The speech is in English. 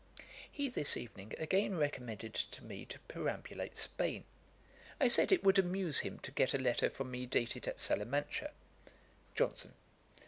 He this evening again recommended to me to perambulate Spain. I said it would amuse him to get a letter from me dated at Salamancha. JOHNSON.